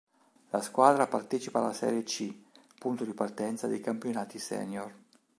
La squadra partecipa alla serie C, punto di partenza dei campionati senior.